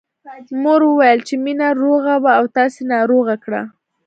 مور وويل چې مينه روغه وه او تاسې ناروغه کړه